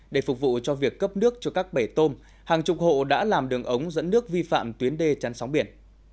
để phục vụ cho việc cấp nước cho các bể tôm hàng chục hộ đã làm đường ống dẫn nước vi phạm tuyến đê chăn sóng biển